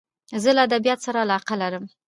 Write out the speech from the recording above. زه له ادبیاتو سره علاقه لرم.